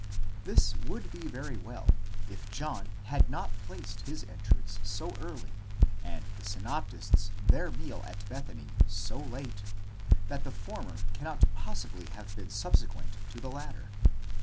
This would be very well, if John had not placed his entrance so early, and the synoptists their meal at Bethany so late, that the former cannot possibly have been subsequent to the latter.